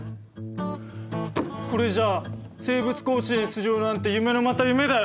これじゃあ生物甲子園出場なんて夢のまた夢だよ。